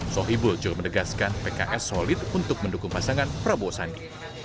sohibul juga menegaskan pks solid untuk mendukung pasangan prabowo sandi